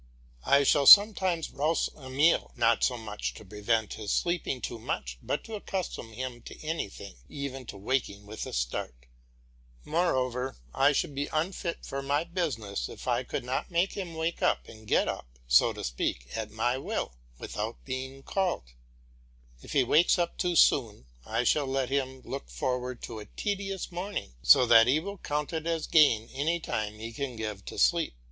I shall sometimes rouse Emile, not so much to prevent his sleeping too much, as to accustom him to anything even to waking with a start. Moreover, I should be unfit for my business if I could not make him wake himself, and get up, so to speak, at my will, without being called. If he wakes too soon, I shall let him look forward to a tedious morning, so that he will count as gain any time he can give to sleep.